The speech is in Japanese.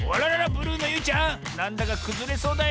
ブルーのゆいちゃんなんだかくずれそうだよ。